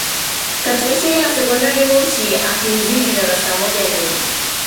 katika Shule ya Sekondari Moshi akimzidi darasa moja Lema